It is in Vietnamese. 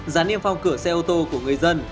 gián niêm phong cửa xe ô tô của người dân